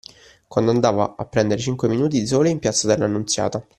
Quando andava a prendere cinque minuti di sole in Piazza dell'Annunziata